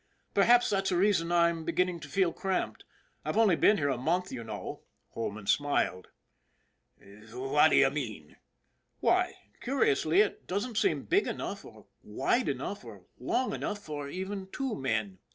Perhaps that's the reason I am beginning to feel cramped I've only been here a month, you know," Holman smiled. "Fwhat d'ye mean?" " Why, curiously, it doesn't seem big enough or wide enough or long enough for even two men."